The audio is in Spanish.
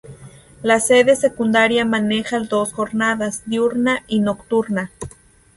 La sede secundaria maneja dos jornadas: Diurna y Nocturna.